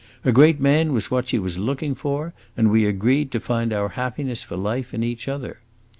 A great man was what she was looking for, and we agreed to find our happiness for life in each other.